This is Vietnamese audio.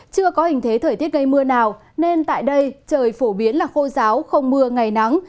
chưa có hình thế thời tiết gây mưa nào nên tại đây trời phổ biến là khô giáo không mưa ngày nắng